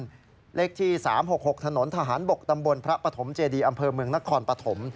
เลขที่๓๖๖ถนนทหารบกตำบลพระปฐมเจดีอำเภอเมืองนครปฐม